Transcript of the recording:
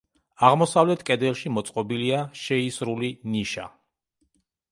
აღმოსავლეთ კედელში მოწყობილია შეისრული ნიშა.